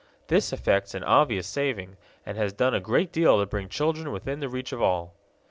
This effects an obvious saving, and has done a great deal to bring children within the reach of all.